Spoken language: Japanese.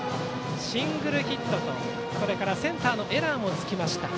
シングルヒットとセンターのエラーもつきました。